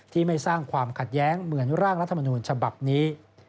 ที่ไม่สร้างความขัดแย้งเหมือนร่างรัฐมนูญฉบับนี้